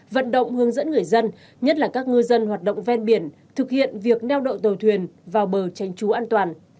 vận động hướng dẫn người dân nhất là các ngư dân hoạt động ven biển thực hiện việc neo đậu tàu thuyền vào bờ tránh trú an toàn